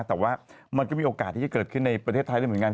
แต่ว่ามันก็มีโอกาสที่จะเกิดขึ้นในประเทศไทยได้เหมือนกัน